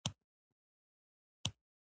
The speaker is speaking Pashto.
نو که چېرې تاسې دخبرو اترو اغیزمنه وړتیا ولرئ